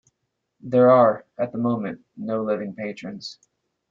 There are, at the moment, no living patrons.